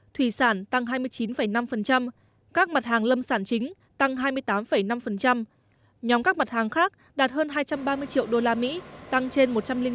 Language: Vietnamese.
thủy sản tăng hai mươi chín năm các mặt hàng lâm sản chính tăng hai mươi tám năm nhóm các mặt hàng khác đạt hơn hai trăm ba mươi triệu usd tăng trên một trăm linh chín